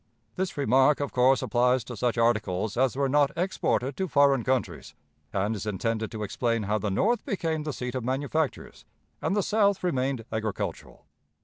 This remark, of course, applies to such articles as were not exported to foreign countries, and is intended to explain how the North became the seat of manufactures, and the South remained agricultural.